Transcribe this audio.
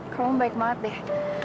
kamu baik banget deh